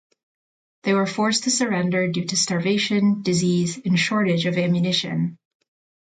They were forced to surrender due to starvation, disease and shortage of ammunition.